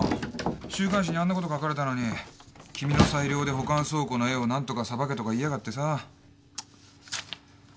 週刊誌にあんなこと書かれたのに「君の裁量で保管倉庫の絵をなんとかさばけ」って。